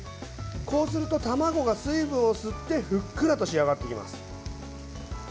こうすると、卵が水分を吸ってふっくらと仕上がってきます。